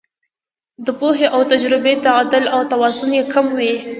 د پوهې او تجربې تعدل او توازن یې کم وي.